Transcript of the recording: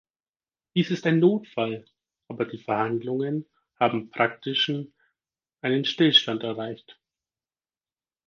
Dies ist ein Notfall, aber die Verhandlungen haben praktischen einen Stillstand erreicht.